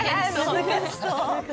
難しそう。